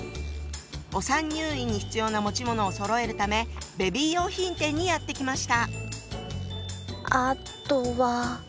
お産入院に必要な持ち物をそろえるためベビー用品店にやって来ました。